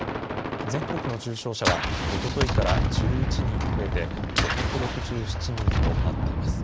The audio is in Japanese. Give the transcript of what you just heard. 全国の重症者はおとといから１１人増えて、５６７人となっています。